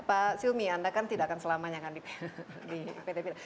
pak silmi anda kan tidak akan selamanya kan di pt pindad